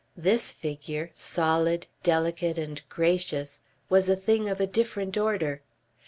This figure, solid, delicate and gracious, was a thing of a different order.